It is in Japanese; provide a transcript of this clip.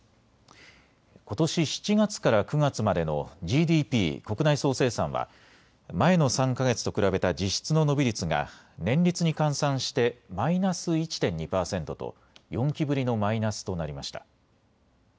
ことし７月から９月までのＧＤＰ・国内総生産は前の３か月と比べた実質の伸び率が年率に換算してマイナス１．２％と４期ぶりのマイナスとなりました。